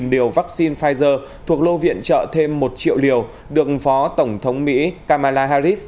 năm trăm linh liều vaccine pfizer thuộc lô viện trợ thêm một triệu liều được phó tổng thống mỹ kamala harris